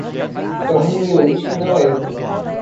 Torno-me eles e não eu.